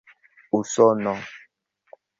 usono